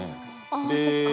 ああそっか。